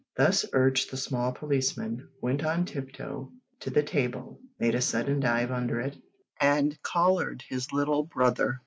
Thus urged the small policeman went on tiptoe to the table, made a sudden dive under it, and collared his little brother.